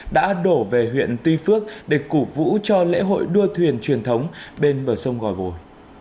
đã đổ về huyện tuy phước để củ vũ cho lễ hội đua thuyền truyền thống bên bờ sông gòi bồi